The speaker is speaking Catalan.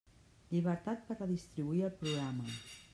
Llibertat per redistribuir el programa.